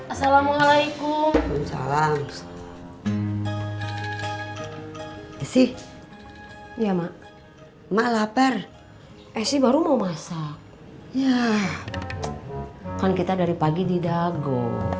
assalamualaikum salam salam sih iya mak mak lapar esi baru mau masak ya kan kita dari pagi didago